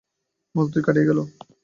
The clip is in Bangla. মাস দুই কাটিয়া গেল।